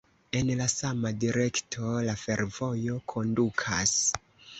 En la sama direkto, la fervojo kondukas.